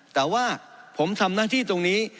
แต่ว่าผมทำหน้าที่ตรงนี้